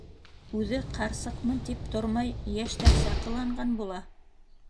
Үҙе, ҡарсыҡмын тип тормай, йәштәрсә ҡыланған була.